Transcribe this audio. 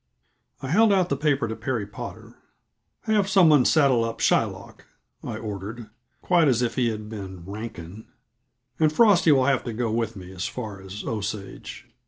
I held out the paper to Perry Potter, "Have some one saddle up Shylock," I ordered, quite as if he had been Rankin. "And Frosty will have to go with me as far as Osage.